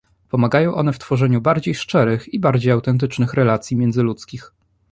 Pomagają one w tworzeniu bardziej szczerych i bardziej autentycznych relacji międzyludzkich